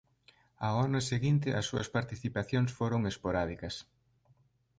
Ao ano seguinte as súas participacións foron esporádicas.